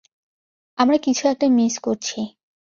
আমরা কিছু একটা মিস করছি।